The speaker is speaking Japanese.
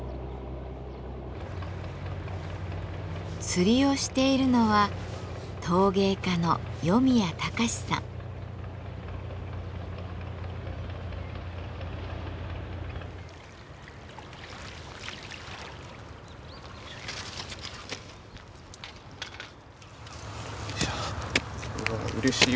釣りをしているのはよいしょ。